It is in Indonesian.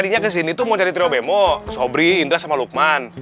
dia ke sini tuh mau cari trio bemo sobri indra sama lukman